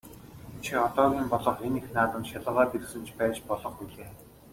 Чи одоогийн болох энэ их наадамд шалгараад ирсэн ч байж болох билээ.